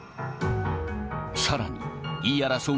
さらに、言い争う